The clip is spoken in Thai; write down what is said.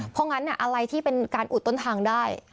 เพราะงั้นอะไรที่เป็นการอุดต้นทางได้